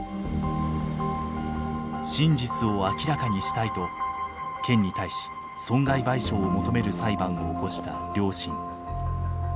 真実を明らかにしたいと県に対し損害賠償を求める裁判を起こした両親。